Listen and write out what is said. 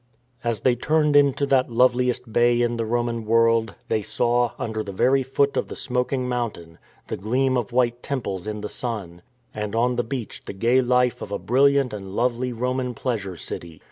As they turned into that loveliest bay in the Roman world,^ they saw, under the very foot of the smoking mountain, the gleam of white temples in the sun, and on the beach the gay life of a brilliant and lovely Roman pleasure city.